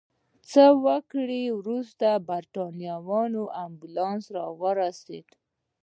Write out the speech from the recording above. څه ګړی وروسته د بریتانویانو امبولانس راورسېد.